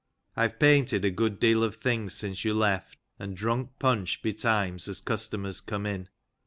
I have painted a good deal of things since you left, and drunk punch betimes as customers come in.